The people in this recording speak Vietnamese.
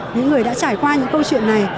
những người đã trải qua những câu chuyện này